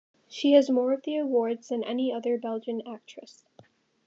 She has more of the awards than any other Belgian actress.